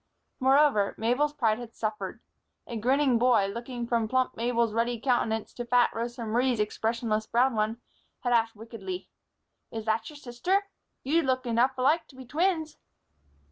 Moreover, Mabel's pride had suffered. A grinning boy, looking from plump Mabel's ruddy countenance to fat Rosa Marie's expressionless brown one, had asked wickedly: "Is that your sister? You look enough alike to be twins."